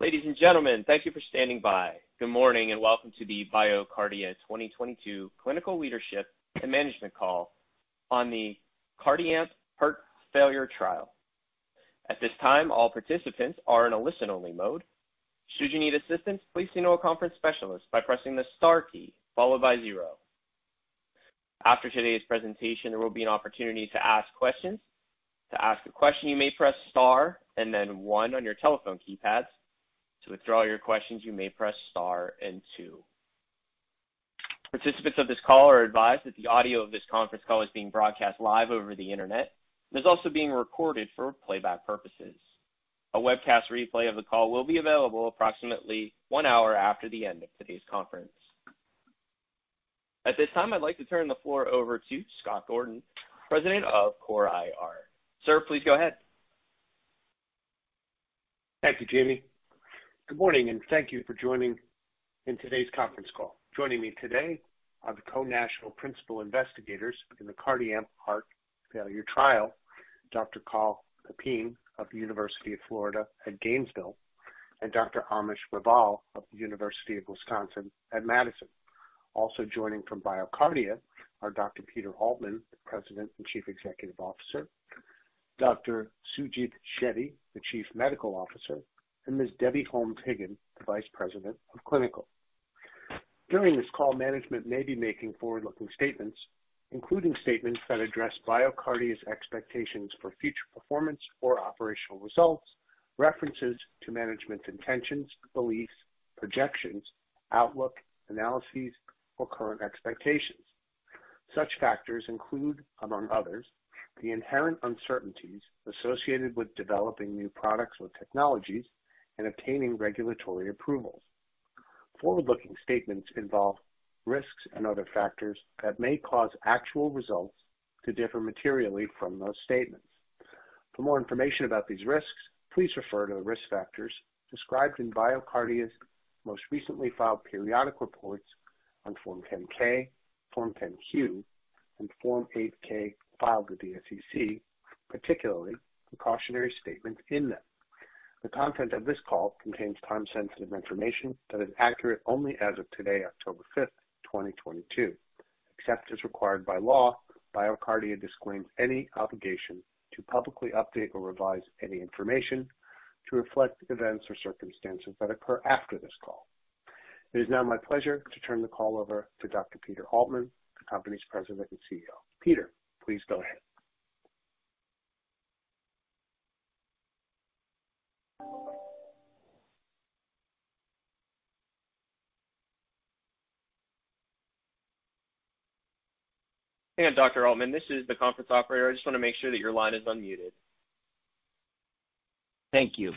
Ladies and gentlemen, thank you for standing by. Good morning, and welcome to the BioCardia 2022 clinical leadership and management call on the CardiAMP heart failure trial. At this time, all participants are in a listen-only mode. Should you need assistance, please signal a conference specialist by pressing the star key followed by zero. After today's presentation, there will be an opportunity to ask questions. To ask a question, you may press star and then one on your telephone keypads. To withdraw your questions, you may press star and two. Participants of this call are advised that the audio of this conference call is being broadcast live over the Internet and is also being recorded for playback purposes. A webcast replay of the call will be available approximately one hour after the end of today's conference. At this time, I'd like to turn the floor over to Scott Gordon, President of CORE IR. Sir, please go ahead. Thank you, Jamie. Good morning and thank you for joining in today's conference call. Joining me today are the co-national principal investigators in the CardiAMP heart failure trial, Dr. Carl Pepine of the University of Florida at Gainesville, and Dr. Amish Raval of the University of Wisconsin at Madison. Also joining from BioCardia are Dr. Peter Altman, President and Chief Executive Officer, Dr. Sujith Shetty, the Chief Medical Officer, and Ms. Debby Holmes-Higgin, the Vice President of Clinical. During this call, management may be making forward-looking statements, including statements that address BioCardia's expectations for future performance or operational results, references to management's intentions, beliefs, projections, outlook, analyses, or current expectations. Such factors include, among others, the inherent uncertainties associated with developing new products or technologies and obtaining regulatory approvals. Forward-looking statements involve risks and other factors that may cause actual results to differ materially from those statements. For more information about these risks, please refer to the risk factors described in BioCardia's most recently filed periodic reports on Form 10-K, Form 10-Q, and Form 8-K filed with the SEC, particularly the cautionary statements in them. The content of this call contains time-sensitive information that is accurate only as of today, October 5th, 2022. Except as required by law, BioCardia disclaims any obligation to publicly update or revise any information to reflect events or circumstances that occur after this call. It is now my pleasure to turn the call over to Dr. Peter Altman, the company's President and CEO. Peter, please go ahead. Dr. Altman, this is the conference operator. I just want to make sure that your line is unmuted. Thank you.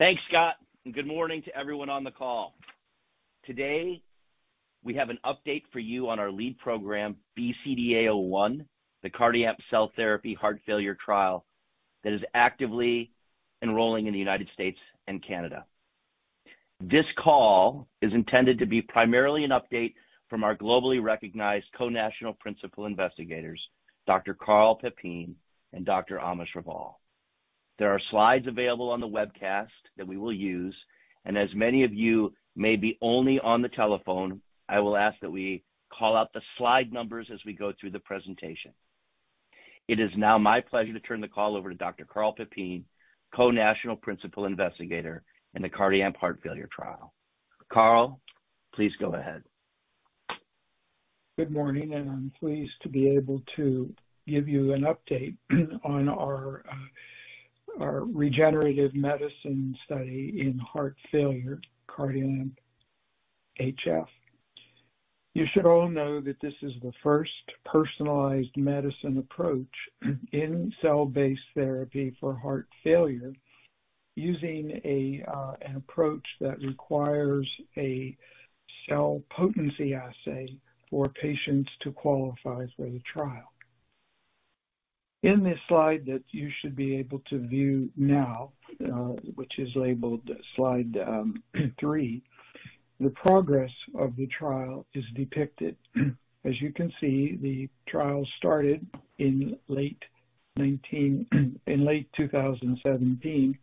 Thanks, Scott, and good morning to everyone on the call. Today, we have an update for you on our lead program, BCDA-01, the CardiAMP cell therapy heart failure trial that is actively enrolling in the United States and Canada. This call is intended to be primarily an update from our globally recognized Co-National Principal Investigators, Dr. Carl Pepine and Dr. Amish Raval. There are slides available on the webcast that we will use, and as many of you may be only on the telephone, I will ask that we call out the slide numbers as we go through the presentation. It is now my pleasure to turn the call over to Dr. Carl Pepine, Co-National Principal Investigator in the CardiAMP heart failure trial. Carl, please go ahead. Good morning, and I'm pleased to be able to give you an update on our our regenerative medicine study in heart failure, CardiAMP HF. You should all know that this is the first personalized medicine approach in cell-based therapy for heart failure using an approach that requires a cell potency assay for patients to qualify for the trial. In this slide that you should be able to view now, which is labeled slide three, the progress of the trial is depicted. As you can see, the trial started in late 2017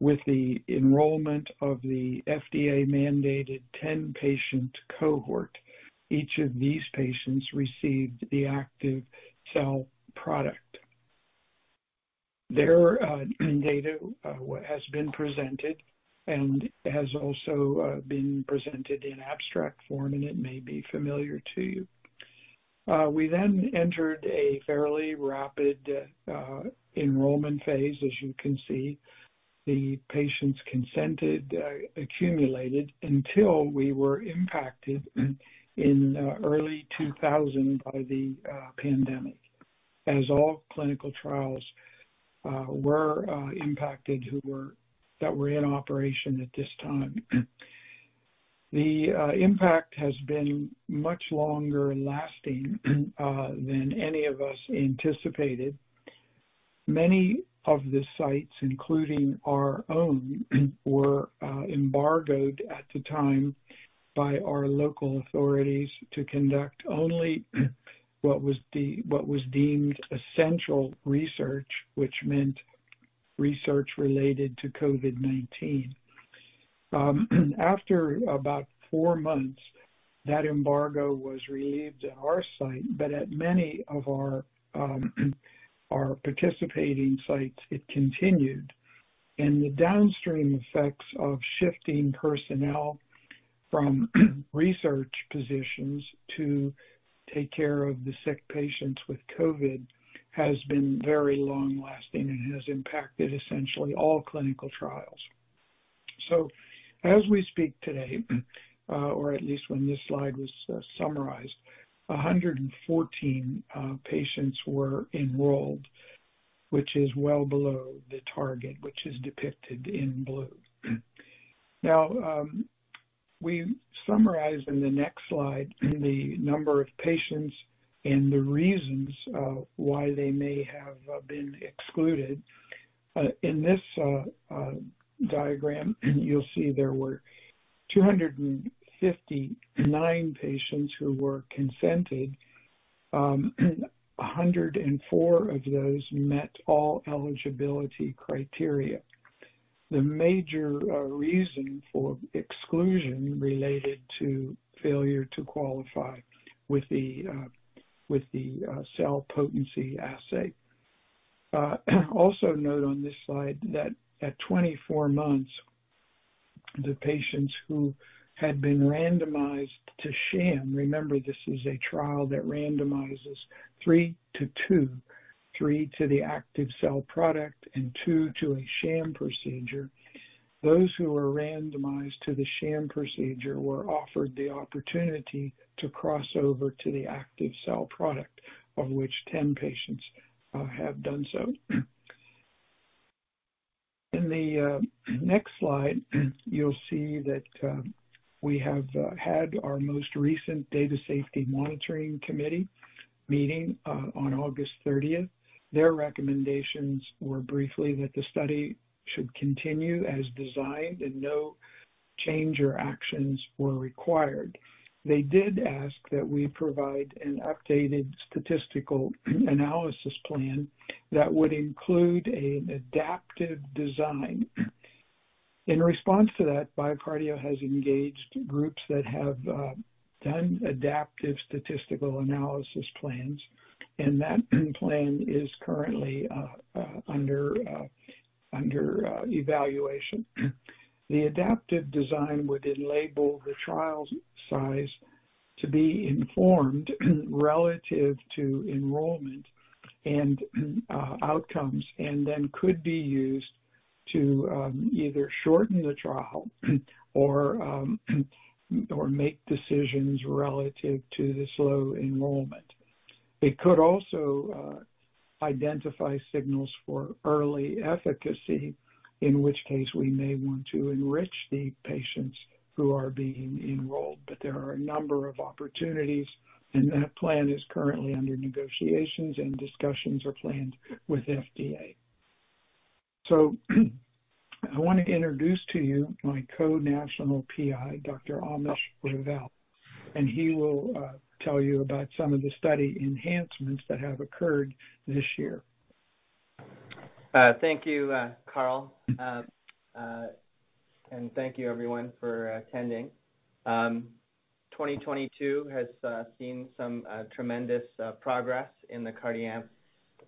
with the enrollment of the FDA-mandated 10-patient cohort. Each of these patients received the active cell product. Their data has been presented and has also been presented in abstract form, and it may be familiar to you. We entered a fairly rapid enrollment phase. As you can see, the patients consented, accumulated until we were impacted in early 2020 by the pandemic, as all clinical trials were impacted that were in operation at this time. The impact has been much longer lasting than any of us anticipated. Many of the sites, including our own, were embargoed at the time by our local authorities to conduct only what was deemed essential research, which meant research related to COVID-19. After about four months, that embargo was relieved at our site, but at many of our participating sites, it continued. The downstream effects of shifting personnel from research positions to take care of the sick patients with COVID-19 has been very long-lasting and has impacted essentially all clinical trials. As we speak today, or at least when this slide was summarized, 114 patients were enrolled, which is well below the target, which is depicted in blue. Now, we summarize in the next slide the number of patients and the reasons why they may have been excluded. In this diagram, you'll see there were 259 patients who were consented. 104 of those met all eligibility criteria. The major reason for exclusion related to failure to qualify with the cell potency assay. Also note on this slide that at 24 months, the patients who had been randomized to sham, remember this is a trial that randomizes three to two, three to the active cell product and two to a sham procedure. Those who were randomized to the sham procedure were offered the opportunity to cross over to the active cell product, of which 10 patients have done so. In the next slide, you'll see that we have had our most recent data safety monitoring committee meeting on August thirtieth. Their recommendations were briefly that the study should continue as designed, and no change or actions were required. They did ask that we provide an updated statistical analysis plan that would include an adaptive design. In response to that, BioCardia has engaged groups that have done adaptive statistical analysis plans, and that plan is currently under evaluation. The adaptive design would enable the trial size to be informed relative to enrollment and outcomes, and then could be used to either shorten the trial or make decisions relative to the slow enrollment. It could also identify signals for early efficacy, in which case we may want to enrich the patients who are being enrolled. There are a number of opportunities, and that plan is currently under negotiations and discussions or plans with FDA. I wanna introduce to you my co-national PI, Dr. Amish Raval, and he will tell you about some of the study enhancements that have occurred this year. Thank you, Carl. Thank you everyone for attending. 2022 has seen some tremendous progress in the CardiAMP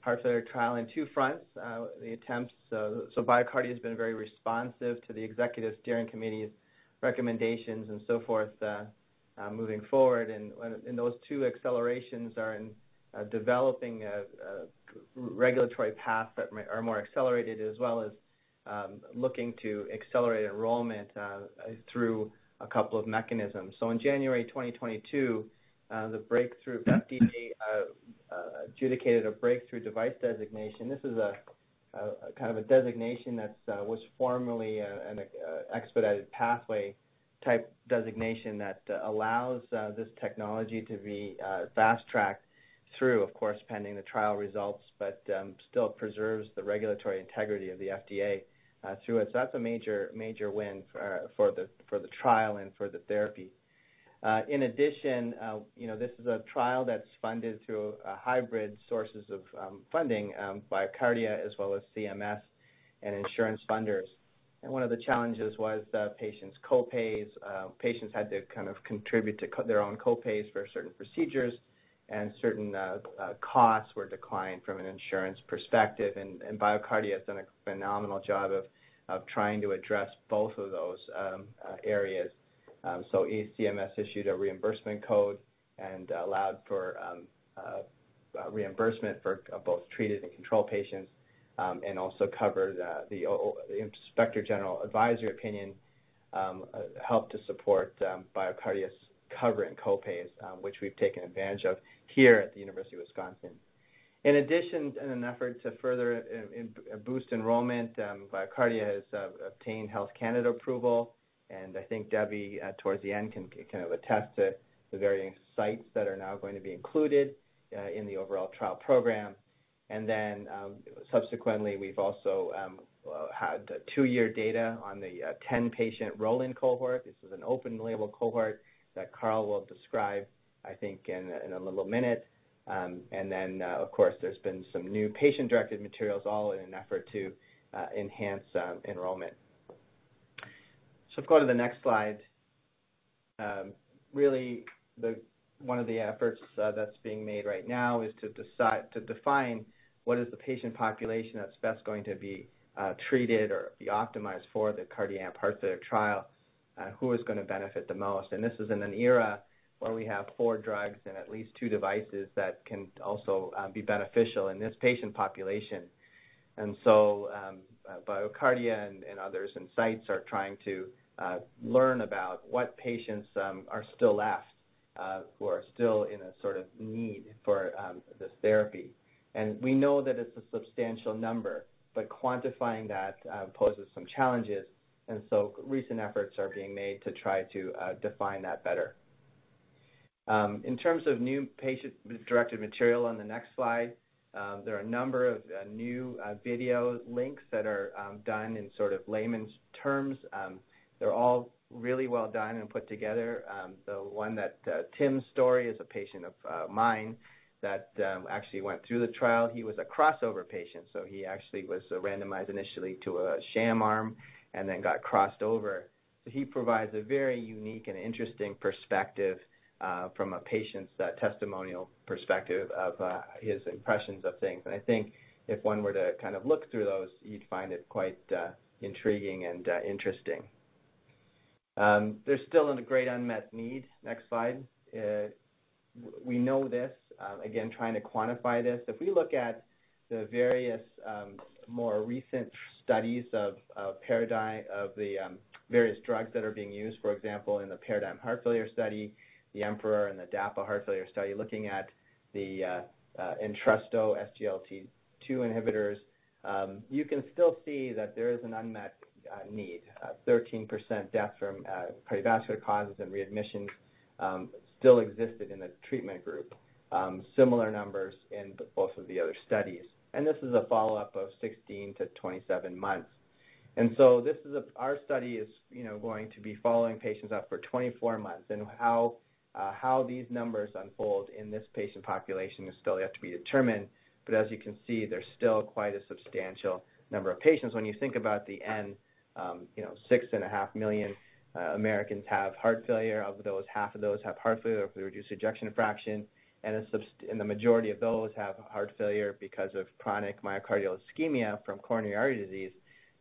heart failure trial in two fronts. BioCardia has been very responsive to the executive steering committee's recommendations and so forth, moving forward. Those two accelerations are in developing a regulatory path that may be more accelerated, as well as looking to accelerate enrollment through a couple of mechanisms. In January 2022, the FDA adjudicated a Breakthrough Device designation. This is a kind of a designation that was formerly an expedited pathway type designation that allows this technology to be fast-tracked through, of course, pending the trial results, but still preserves the regulatory integrity of the FDA through it. That's a major win for the trial and for the therapy. In addition, you know, this is a trial that's funded through hybrid sources of funding, BioCardia as well as CMS and insurance funders. One of the challenges was patients' co-pays. Patients had to kind of contribute to their own co-pays for certain procedures, and certain costs were declined from an insurance perspective. BioCardia has done a phenomenal job of trying to address both of those areas. CMS issued a reimbursement code and allowed for reimbursement for both treated and control patients, and also covered the OIG advisory opinion, which helped to support BioCardia's coverage and co-pays, which we've taken advantage of here at the University of Wisconsin. In addition, in an effort to further boost enrollment, BioCardia has obtained Health Canada approval, and I think Debby towards the end can kind of attest to the varying sites that are now going to be included in the overall trial program. Subsequently, we've also had two-year data on the 10-patient roll-in cohort. This is an open label cohort that Carl will describe, I think, in a little minute. Of course, there's been some new patient-directed materials, all in an effort to enhance enrollment. Go to the next slide. Really, the one of the efforts that's being made right now is to define what is the patient population that's best going to be treated or be optimized for the CardiAMP Heart Failure trial, who is gonna benefit the most. This is in an era where we have four drugs and at least two devices that can also be beneficial in this patient population. BioCardia and others and sites are trying to learn about what patients are still left, who are still in a sort of need for this therapy. We know that it's a substantial number, but quantifying that poses some challenges. Recent efforts are being made to try to define that better. In terms of new patient-directed material on the next slide, there are a number of new video links that are done in sort of layman's terms. They're all really well done and put together. The one that Tim's story is a patient of mine that actually went through the trial. He was a crossover patient, so he actually was randomized initially to a sham arm and then got crossed over. He provides a very unique and interesting perspective from a patient's testimonial perspective of his impressions of things. I think if one were to kind of look through those, you'd find it quite intriguing and interesting. There's still a great unmet need. Next slide. We know this, again, trying to quantify this. If we look at the various more recent studies of the various drugs that are being used, for example, in the PARADIGM-HF, the EMPEROR-Reduced and the DAPA-HF, looking at the Entresto SGLT2 inhibitors, you can still see that there is an unmet need. 13% deaths from cardiovascular causes and readmissions still existed in the treatment group. Similar numbers in both of the other studies. This is a follow-up of 16-27 months. Our study is, you know, going to be following patients out for 24 months, and how these numbers unfold in this patient population is still yet to be determined. As you can see, there's still quite a substantial number of patients. When you think about the end, 6.5 million Americans have heart failure. Of those, half of those have heart failure with reduced ejection fraction, and the majority of those have heart failure because of chronic myocardial ischemia from coronary artery disease.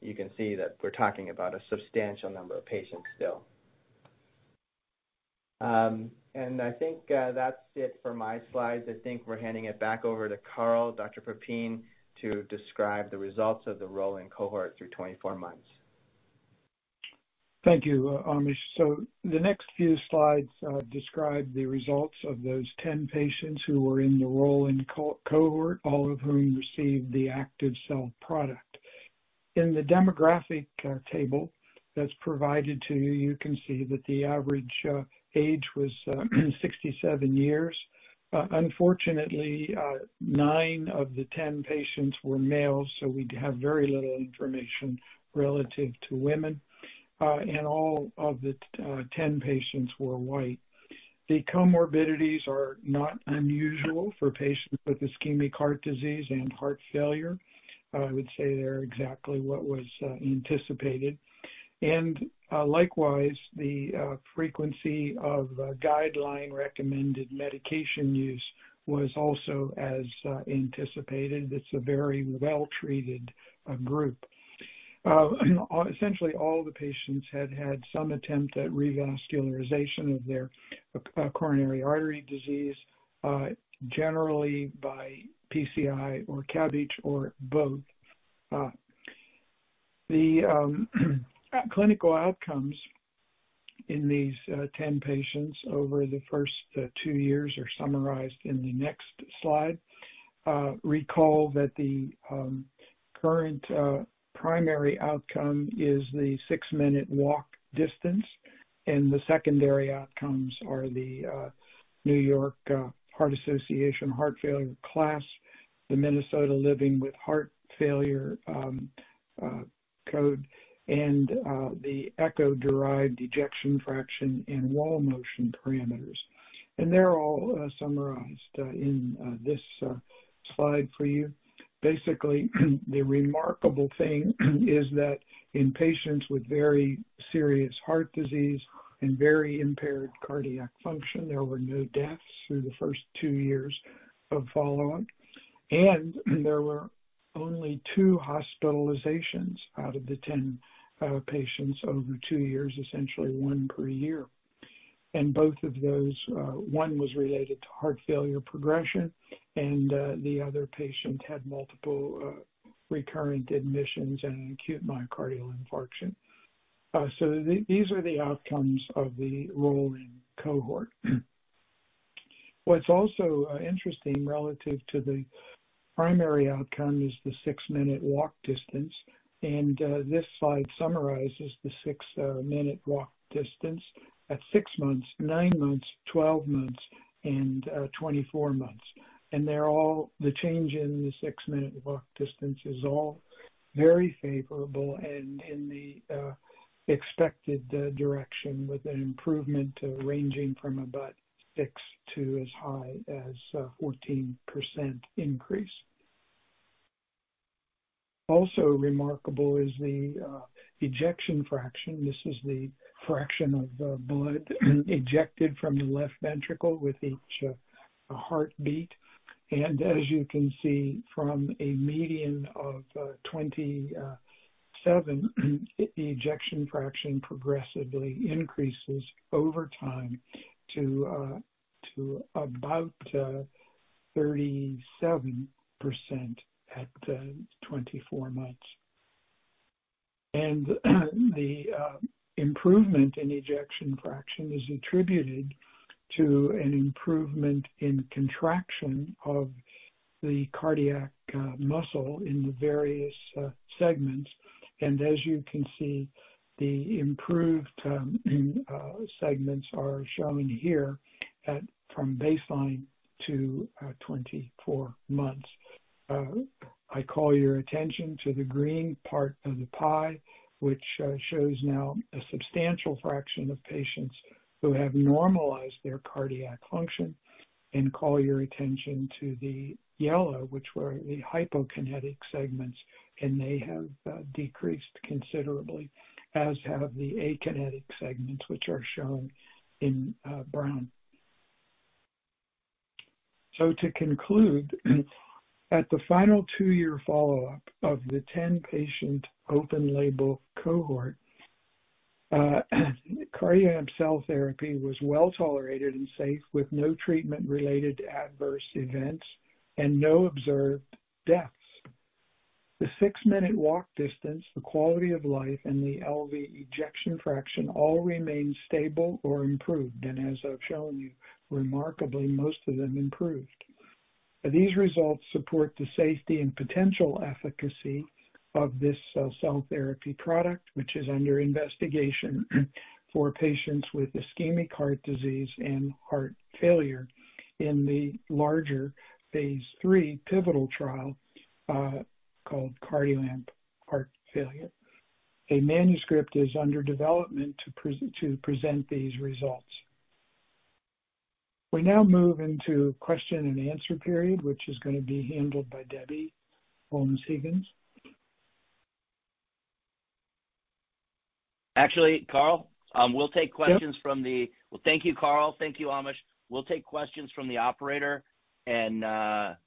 You can see that we're talking about a substantial number of patients still. I think that's it for my slides. I think we're handing it back over to Carl, Dr. Pepine, to describe the results of the rolling cohort through 24 months. Thank you, Amish. The next few slides describe the results of those 10 patients who were in the roll-in cohort, all of whom received the active cell product. In the demographic table that's provided to you can see that the average age was 67 years. Unfortunately, nine of the 10 patients were male, so we have very little information relative to women. All of the 10 patients were white. The comorbidities are not unusual for patients with ischemic heart disease and heart failure. I would say they're exactly what was anticipated. Likewise, the frequency of guideline-recommended medication use was also as anticipated. It's a very well-treated group. Essentially all the patients had some attempt at revascularization of their coronary artery disease, generally by PCI or CABG or both. The clinical outcomes in these 10 patients over the first two years are summarized in the next slide. Recall that the current primary outcome is the six-minute walk distance, and the secondary outcomes are the New York Heart Association heart failure class, the Minnesota Living with Heart Failure score, and the echo-derived ejection fraction and wall motion parameters. They're all summarized in this slide for you. Basically, the remarkable thing is that in patients with very serious heart disease and very impaired cardiac function, there were no deaths through the first two years of follow-up. There were only two hospitalizations out of the 10, patients over two years, essentially one per year. Both of those, one was related to heart failure progression, and the other patient had multiple, recurrent admissions and an acute myocardial infarction. These are the outcomes of the rolling cohort. What's also interesting relative to the primary outcome is the six-minute walk distance. This slide summarizes the six-minute walk distance at six months, nine months, 12 months, and 24 months. The change in the six-minute walk distance is all very favorable and in the expected direction, with an improvement ranging from about 6% to as high as a 14% increase. Also remarkable is the ejection fraction. This is the fraction of blood ejected from the left ventricle with each heartbeat. As you can see from a median of 27, the ejection fraction progressively increases over time to about 37% at 24 months. The improvement in ejection fraction is attributed to an improvement in contraction of the cardiac muscle in the various segments. As you can see, the improved segments are shown here from baseline to 24 months. I call your attention to the green part of the pie, which shows now a substantial fraction of patients who have normalized their cardiac function. Call your attention to the yellow, which were the hypokinetic segments, and they have decreased considerably, as have the akinetic segments, which are shown in brown. To conclude, at the final two-year follow-up of the 10-patient open label cohort, cardiac cell therapy was well tolerated and safe, with no treatment related adverse events and no observed deaths. The six-minute walk distance, the quality of life, and the LV ejection fraction all remained stable or improved. As I've shown you, remarkably, most of them improved. These results support the safety and potential efficacy of this cell therapy product, which is under investigation for patients with ischemic heart disease and heart failure in the larger phase III pivotal trial called CardiAMP Heart Failure. A manuscript is under development to present these results. We now move into question and answer period, which is gonna be handled by Debby Holmes-Higgin. Actually, Carl, we'll take questions from the. Yep. Well, thank you, Carl. Thank you, Amish. We'll take questions from the operator, and the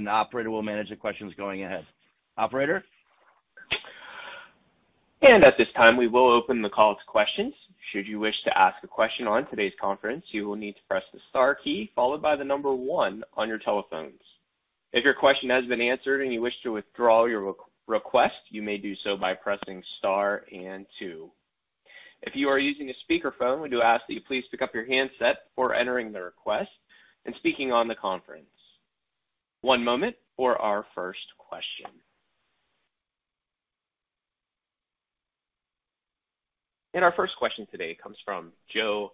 operator will manage the questions going ahead. Operator? At this time, we will open the call to questions. Should you wish to ask a question on today's conference, you will need to press the star key followed by the number one on your telephones. If your question has been answered and you wish to withdraw your request, you may do so by pressing star and two. If you are using a speakerphone, we do ask that you please pick up your handset before entering the request and speaking on the conference. One moment for our first question. Our first question today comes from Joe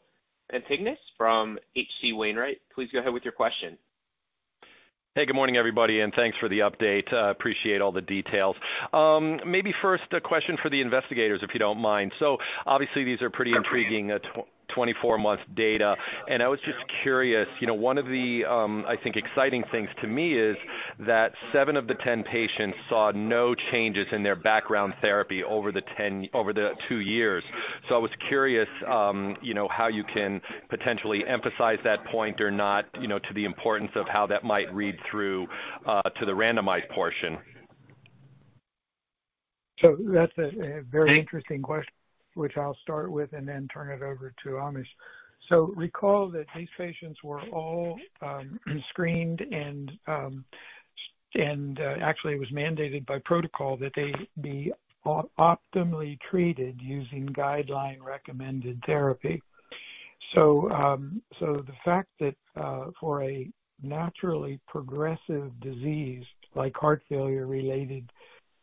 Pantginis from H.C. Wainwright. Please go ahead with your question. Hey, good morning, everybody, and thanks for the update. Appreciate all the details. Maybe first a question for the investigators, if you don't mind. Obviously these are pretty intriguing. Sure thing. 24-month data. I was just curious, you know, one of the, I think exciting things to me is that seven of the 10 patients saw no changes in their background therapy over the two years. I was curious, you know, how you can potentially emphasize that point or not, you know, to the importance of how that might read through to the randomized portion. That's a very interesting question, which I'll start with and then turn it over to Amish. Recall that these patients were all screened and actually it was mandated by protocol that they be optimally treated using guideline recommended therapy. The fact that for a naturally progressive disease like heart failure related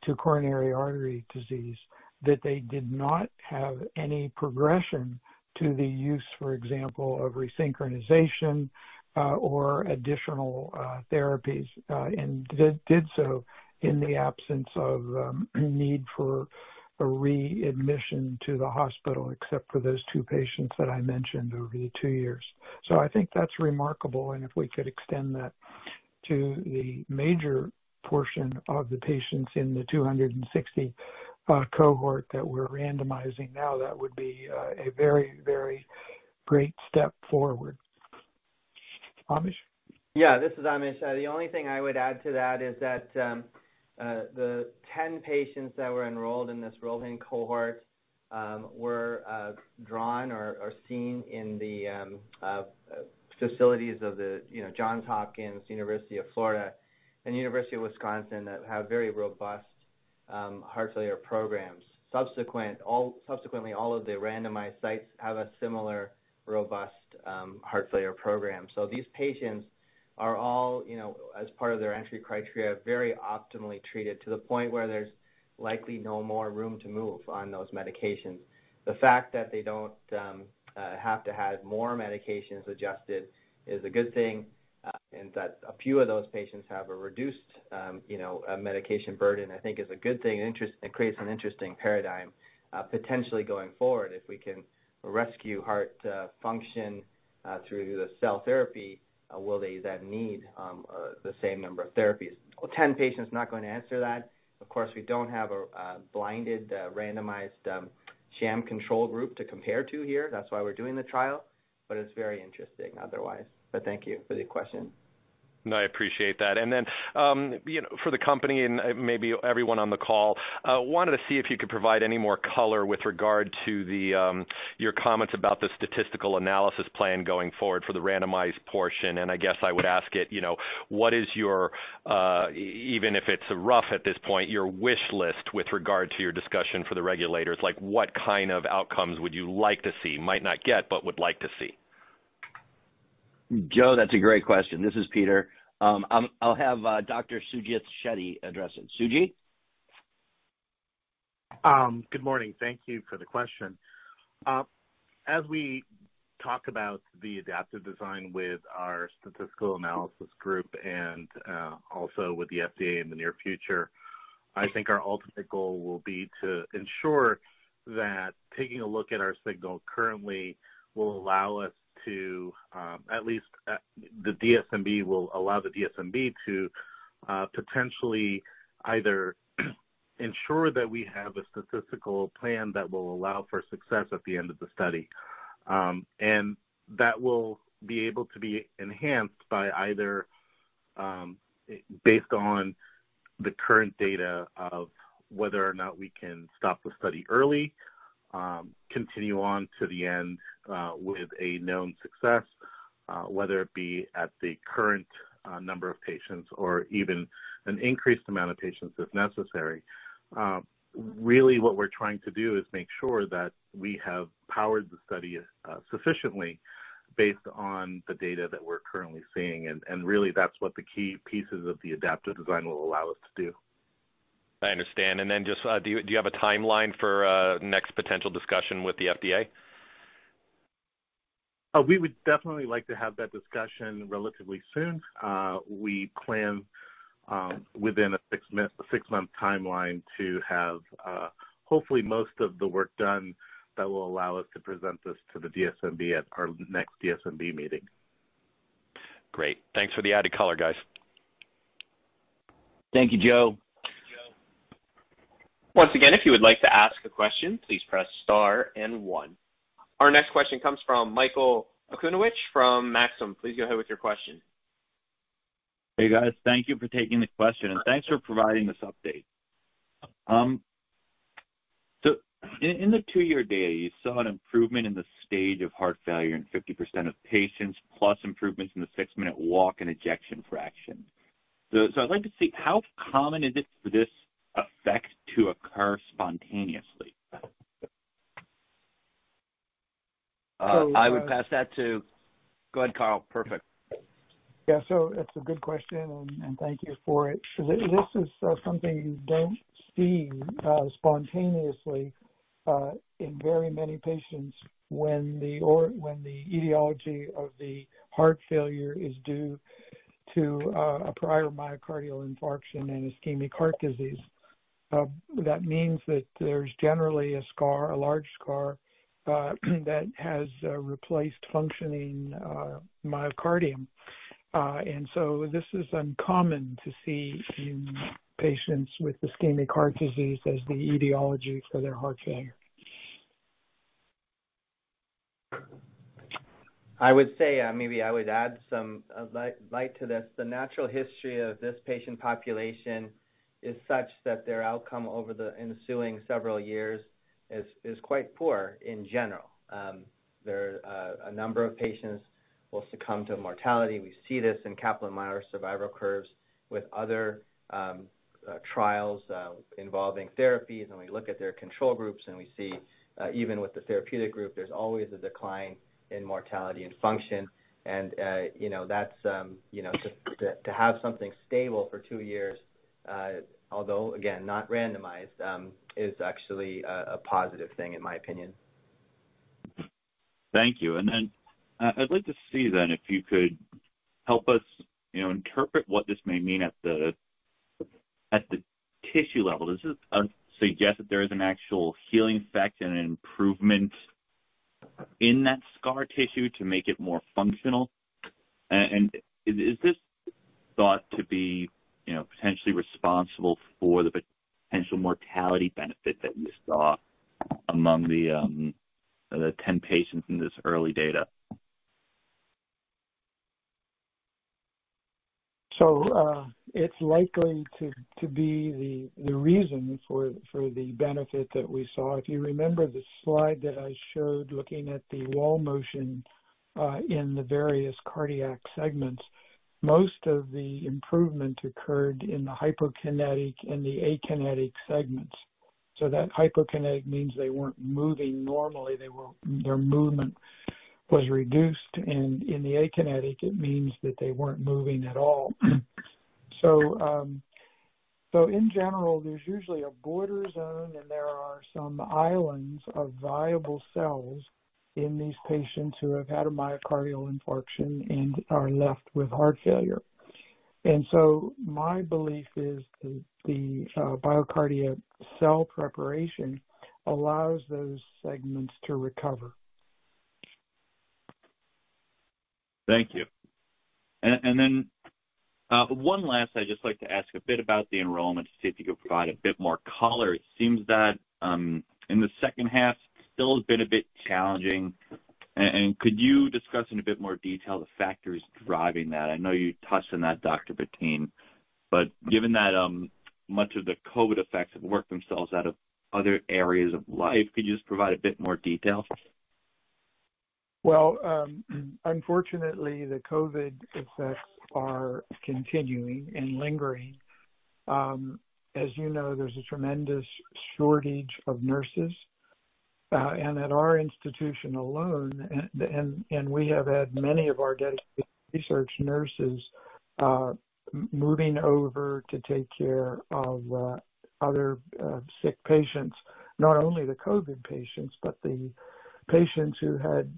to coronary artery disease, that they did not have any progression to the use, for example, of resynchronization or additional therapies and did so in the absence of need for a readmission to the hospital, except for those two patients that I mentioned over the two years. I think that's remarkable. If we could extend that to the major portion of the patients in the 260 cohort that we're randomizing now, that would be a very, very great step forward. Amish? Yeah, this is Amish. The only thing I would add to that is that the 10 patients that were enrolled in this rolling cohort were drawn or seen in the facilities of the, you know, Johns Hopkins, University of Florida, and University of Wisconsin that have very robust heart failure programs. Subsequently, all of the randomized sites have a similar robust heart failure program. So these patients are all, you know, as part of their entry criteria, very optimally treated to the point where there's likely no more room to move on those medications. The fact that they don't have to have more medications adjusted is a good thing, and that a few of those patients have a reduced, you know, a medication burden, I think is a good thing. It creates an interesting paradigm, potentially going forward if we can rescue heart function through the cell therapy. Will they then need the same number of therapies? Well, 10 patients not going to answer that. Of course, we don't have a blinded, randomized sham control group to compare to here. That's why we're doing the trial. It's very interesting otherwise. Thank you for the question. No, I appreciate that. You know, for the company and maybe everyone on the call, wanted to see if you could provide any more color with regard to your comments about the statistical analysis plan going forward for the randomized portion. I guess I would ask it, you know, what is your even if it's rough at this point, your wish list with regard to your discussion for the regulators? Like, what kind of outcomes would you like to see, might not get, but would like to see? Joe, that's a great question. This is Peter. I'll have Dr. Sujith Shetty address it. Sujith. Good morning. Thank you for the question. As we talk about the adaptive design with our statistical analysis group and also with the FDA in the near future, I think our ultimate goal will be to ensure that taking a look at our signal currently will allow us to, the DSMB will allow the DSMB to potentially either ensure that we have a statistical plan that will allow for success at the end of the study. That will be able to be enhanced by either, based on the current data of whether or not we can stop the study early, continue on to the end with a known success, whether it be at the current number of patients or even an increased amount of patients if necessary. Really what we're trying to do is make sure that we have powered the study sufficiently based on the data that we're currently seeing. Really that's what the key pieces of the adaptive design will allow us to do. I understand. Just, do you have a timeline for next potential discussion with the FDA? We would definitely like to have that discussion relatively soon. We plan within a six-month timeline to have hopefully most of the work done that will allow us to present this to the DSMB at our next DSMB meeting. Great. Thanks for the added color, guys. Thank you, Joe. Once again, if you would like to ask a question, please press Star and one. Our next question comes from Michael Okunewitch from Maxim. Please go ahead with your question. Hey, guys. Thank you for taking the question, and thanks for providing this update. In the two-year data, you saw an improvement in the stage of heart failure in 50% of patients, plus improvements in the six-minute walk and ejection fraction. I'd like to see how common is it for this effect to occur spontaneously? I would pass that to. Go ahead, Carl. Perfect. Yeah. It's a good question, and thank you for it. This is something you don't see spontaneously in very many patients when the etiology of the heart failure is due to a prior myocardial infarction and ischemic heart disease. That means that there's generally a scar, a large scar, that has replaced functioning myocardium. This is uncommon to see in patients with ischemic heart disease as the etiology for their heart failure. I would say, maybe I would add some light to this. The natural history of this patient population is such that their outcome over the ensuing several years is quite poor in general. A number of patients will succumb to mortality. We see this in Kaplan-Meier survival curves with other trials involving therapies. We look at their control groups, and we see even with the therapeutic group, there's always a decline in mortality and function. You know, that's you know to have something stable for two years, although again, not randomized, is actually a positive thing in my opinion. Thank you. I'd like to see then if you could help us, you know, interpret what this may mean at the tissue level. Does this suggest that there is an actual healing effect and an improvement in that scar tissue to make it more functional? Is this thought to be, you know, potentially responsible for the potential mortality benefit that you saw among the 10 patients in this early data? It's likely to be the reason for the benefit that we saw. If you remember the slide that I showed looking at the wall motion in the various cardiac segments, most of the improvement occurred in the hypokinetic and the akinetic segments. That hypokinetic means they weren't moving normally, their movement was reduced. In the akinetic, it means that they weren't moving at all. In general, there's usually a border zone, and there are some islands of viable cells in these patients who have had a myocardial infarction and are left with heart failure. My belief is the BioCardia cell preparation allows those segments to recover. Thank you. One last, I'd just like to ask a bit about the enrollment to see if you could provide a bit more color. It seems that, in the second half, still has been a bit challenging. Could you discuss in a bit more detail the factors driving that? I know you touched on that, Dr. Pepine, but given that, much of the COVID effects have worked themselves out of other areas of life, could you just provide a bit more detail? Well, unfortunately, the COVID effects are continuing and lingering. As you know, there's a tremendous shortage of nurses, and at our institution alone, we have had many of our dedicated research nurses moving over to take care of other sick patients. Not only the COVID patients, but the patients who had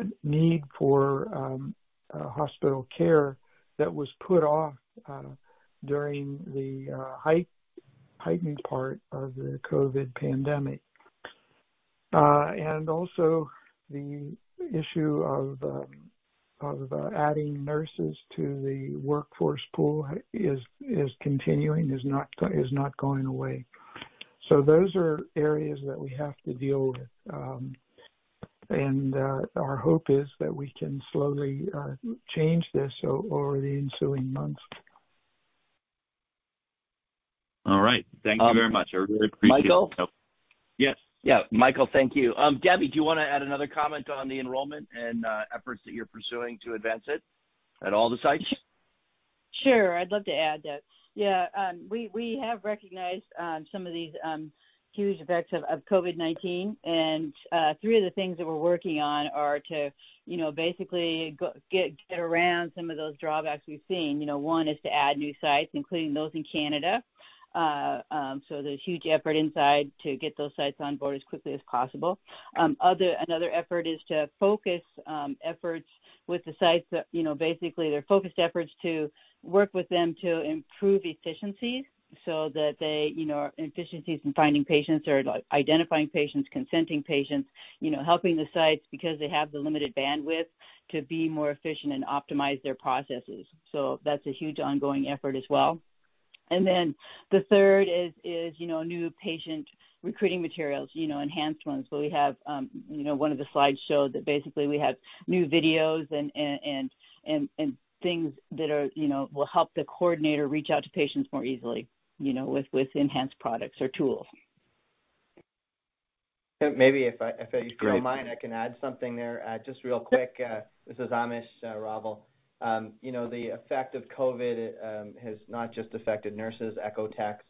a need for hospital care that was put off during the heightened part of the COVID pandemic. Also, the issue of adding nurses to the workforce pool is continuing, is not going away. Those are areas that we have to deal with. Our hope is that we can slowly change this over the ensuing months. All right. Thank you very much. Michael? Yes. Yeah, Michael, thank you. Debby, do you wanna add another comment on the enrollment and efforts that you're pursuing to advance it at all the sites? Sure. I'd love to add that. Yeah. We have recognized some of these huge effects of COVID-19. Three of the things that we're working on are to, you know, basically get around some of those drawbacks we've seen. You know, one is to add new sites, including those in Canada. There's huge effort inside to get those sites on board as quickly as possible. Another effort is to focus efforts with the sites that, you know, basically there are focused efforts to work with them to improve efficiencies in finding patients or identifying patients, consenting patients, you know, helping the sites because they have the limited bandwidth to be more efficient and optimize their processes. That's a huge ongoing effort as well. The third is you know new patient recruiting materials you know enhanced ones. So we have you know one of the slides showed that basically we have new videos and things that are you know will help the coordinator reach out to patients more easily you know with enhanced products or tools. Maybe if you don't mind, I can add something there, just real quick. This is Amish Raval. You know, the effect of COVID has not just affected nurses, echo techs,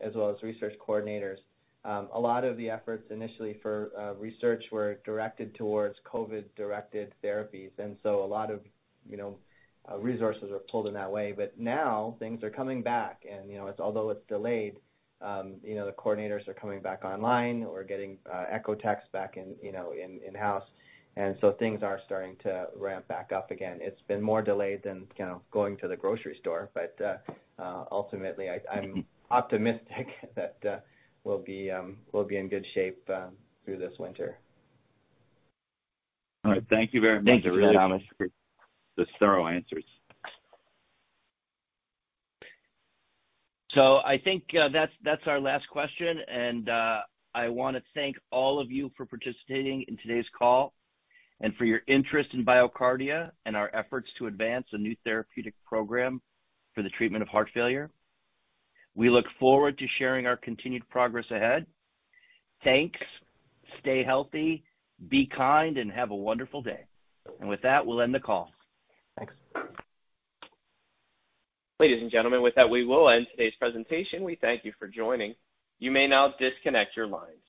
as well as research coordinators. A lot of the efforts initially for research were directed towards COVID-directed therapies, and so a lot of, you know, resources were pulled in that way. Now things are coming back and, you know, it's, although it's delayed, you know, the coordinators are coming back online. We're getting echo techs back in, you know, in-house. Things are starting to ramp back up again. It's been more delayed than, you know, going to the grocery store, but ultimately, I'm optimistic that we'll be in good shape through this winter. All right. Thank you very much. Thank you for that, Amish. The thorough answers. I think that's our last question. I wanna thank all of you for participating in today's call and for your interest in BioCardia and our efforts to advance a new therapeutic program for the treatment of heart failure. We look forward to sharing our continued progress ahead. Thanks. Stay healthy, be kind, and have a wonderful day. With that, we'll end the call. Thanks. Ladies and gentlemen, with that, we will end today's presentation. We thank you for joining. You may now disconnect your lines.